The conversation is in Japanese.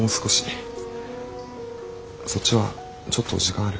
そっちはちょっと時間ある？